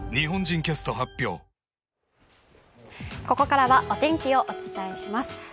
ここからはお天気をお伝えします。